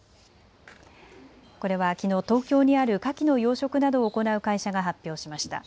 これはきのう東京にあるかきの養殖などを行う会社が発表しました。